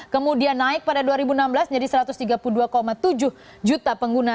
kemudian naik pada dua ribu enam belas menjadi satu ratus tiga puluh dua tujuh juta pengguna